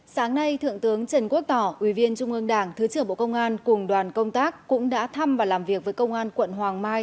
sáng nay thượng tướng trần quốc tỏ ủy viên trung ương đảng thứ trưởng bộ công an cùng đoàn công tác cũng đã thăm và làm việc với công an quận hoàng mai